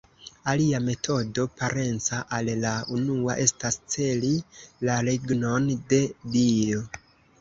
Alia metodo, parenca al la unua, estas celi la regnon de Dio.